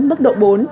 mức độ bổ